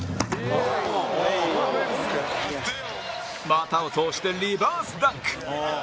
股を通してリバースダンク